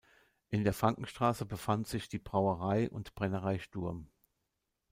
In der Frankenstraße befand sich die Brauerei und Brennerei Sturm.